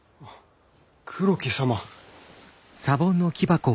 黒木様。